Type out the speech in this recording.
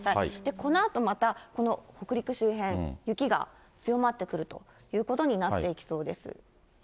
このあとまた、この北陸周辺、雪が強まってくるということになっていきそうです。